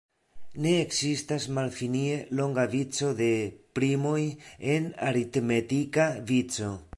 Ne ekzistas malfinie longa vico de primoj en aritmetika vico.